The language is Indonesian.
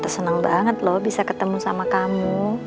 tante seneng banget dong bisa ketemu children kamu